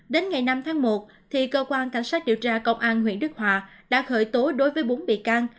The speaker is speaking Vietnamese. đến ngày năm tháng một cơ quan cảnh sát điều tra công an huyện đức hòa đã khởi tố đối với bốn bị can